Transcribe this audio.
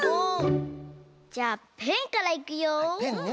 じゃあペンからいくよ！